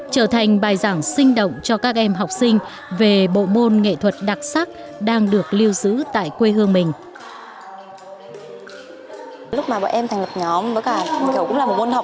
trở thành bài giảng sinh động cho các em học sinh về bộ môn nghệ thuật đặc sắc đang được lưu giữ tại quê hương mình